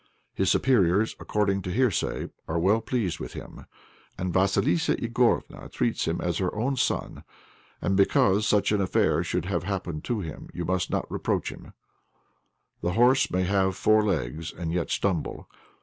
His superiors, according to hearsay, are well pleased with him, and Vassilissa Igorofna treats him as her own son; and because such an affair should have happened to him you must not reproach him; the horse may have four legs and yet stumble.